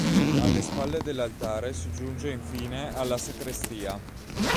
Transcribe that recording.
Alle spalle dell'altare si giunge infine alla sacrestia.